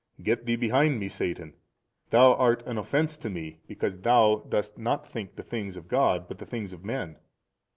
Get thee behind Me satan, thou art an offence to Me, because thou dost not think the things of God but the things of men.